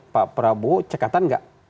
pak prabowo cekatan nggak